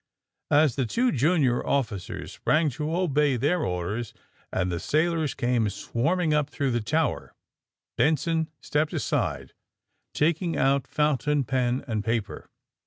As the two junior officers sprang to obey their orders, and the sailors came swarming up through the tower, Benson stepped aside, taking 112 THE SUBMAEINE BOYS ont fountain pen and paper.